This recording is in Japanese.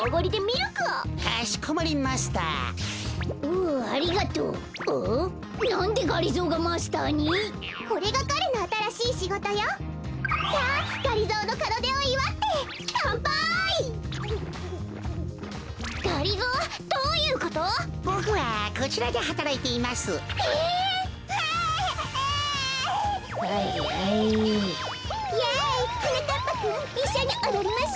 ぱくんいっしょにおどりましょう！